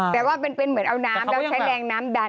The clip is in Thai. แต่ว่าเป็นเป็นเหมือนเอาน้ำชัดแรงน้ำดัน